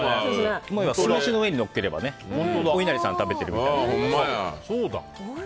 酢飯の上にのせればお稲荷さん食べてるみたいな。